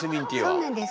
そうなんです。